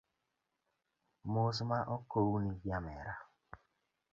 Mos ma okowni nyamera